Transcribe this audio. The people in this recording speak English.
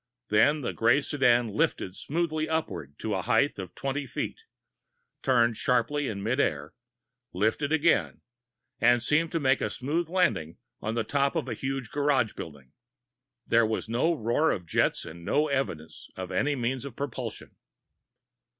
Then the gray sedan lifted smoothly upwards to a height of twenty feet, turned sharply in mid air, lifted again, and seemed to make a smooth landing on top of a huge garage building! There had been no roar of jets and no evidence of any means of propulsion.